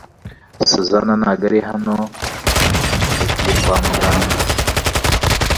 Suzana ntabwo ari hano yagiye kwa muganga .